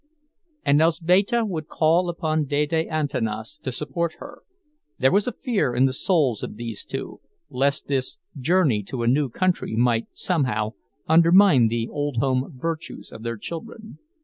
And Elzbieta would call upon Dede Antanas to support her; there was a fear in the souls of these two, lest this journey to a new country might somehow undermine the old home virtues of their children.